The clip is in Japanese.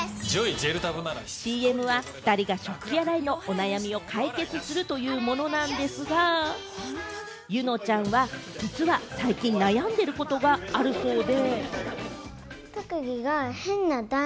ＣＭは２人が食器洗いのお悩みを解決するというものなんですが、柚乃ちゃん実は、最近悩んでいることがあるそうで。